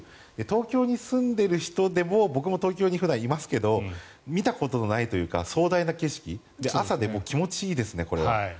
東京に住んでいる人でも僕も東京に普段いますが見たことのないというか壮大な景色で朝、気持ちいいですね。